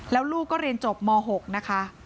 แล้วลูกก็เรียนจบม๖นะคะ